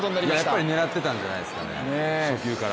やっぱり狙ってたんじゃないですかね、初球から。